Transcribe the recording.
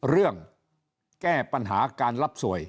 เรื่องแก้ปัญหาการรับสวย